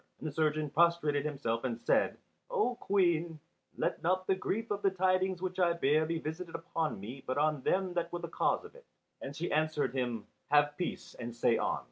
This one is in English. And the surgeon prostrated himself and said, "O Queen, let not the grief of the tidings which I bear be visited upon me but on them that were the cause of it." And she answered him, "Have peace, and say on!"